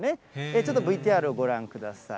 ちょっとＶＴＲをご覧ください。